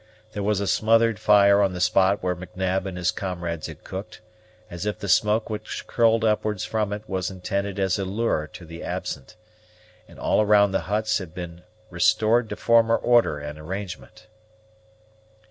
There was a smothered fire on the spot where M'Nab and his comrades had cooked, as if the smoke which curled upwards from it was intended as a lure to the absent; and all around the huts had been restored to former order and arrangement.